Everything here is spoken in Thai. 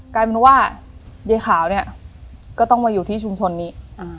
กลายเป็นว่ายายขาวเนี่ยก็ต้องมาอยู่ที่ชุมชนนี้